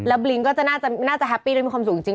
บลิ้งก็จะน่าจะแฮปปี้และมีความสุขจริง